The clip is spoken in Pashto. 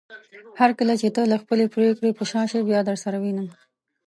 هرکله چې ته له خپلې پریکړې په شا شې بيا درسره وينم